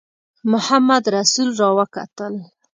محمدرسول را وکتل.